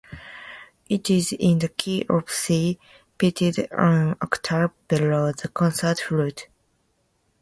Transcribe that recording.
It is in the key of C, pitched one octave below the concert flute.